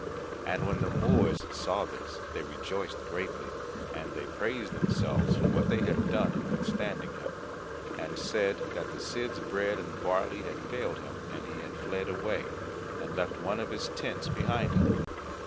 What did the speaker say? And when the Moors saw this they rejoiced greatly, and they praised themselves for what they had done in withstanding him, and said that the Cid's bread and barley had failed him, and he had fled away, and left one of his tents behind him.